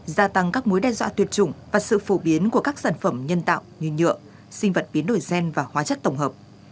gia tăng các mối đe dọa tuyệt chủng và sự phổ biến của các sản phẩm nhân tạo như nhựa sinh vật biến đổi gen và hóa chất tổng hợp